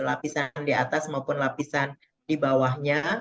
lapisan di atas maupun lapisan di bawahnya